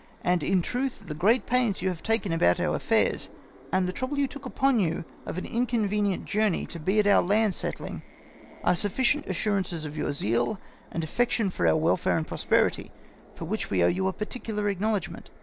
And, in truth, the great pains you have taken about our affairs, and the trouble you took upon you of an inconvenient journey to be at our land settling, are sufficient assurances of yom zeal and affection for our welfare and prosperity, for which we owe you a particular acknowledgment.